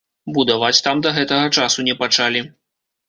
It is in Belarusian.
Будаваць там да гэтага часу не пачалі.